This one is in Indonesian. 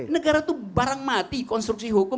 negara itu barang mati konstruksi hukum